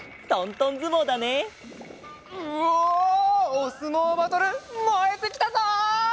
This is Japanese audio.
おすもうバトルもえてきたぞ！